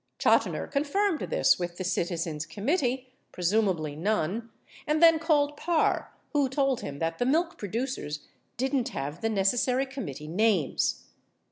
30 Chotiner confirmed this with the Citizens Committee (pre sumably Nunn) and then called Parr who told him that the milk pro ducers didn't have the necessary committee names.